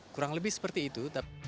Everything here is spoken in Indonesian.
kurang lebih seperti itu